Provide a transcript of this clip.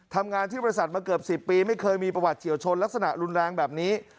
ทำงานที่บริษัทมาเกือบ๑๐ปีไม่เคยมีประวัติเฉียวชนลักษณะรุนแรงแบบนี้